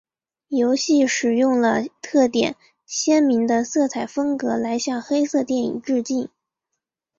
游戏使用了特点鲜明的色彩风格来向黑色电影致敬。